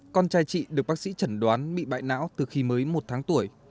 con trai chị được bác sĩ chẩn đoán bị bại não từ khi mới một tháng tuổi